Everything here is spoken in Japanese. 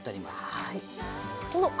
はい。